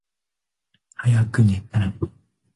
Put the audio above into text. はやくねたい。